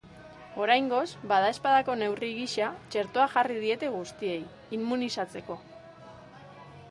Oraingoz, badaezpadako neurri gisa, txertoa jarri diete guztiei, immunizatzeko.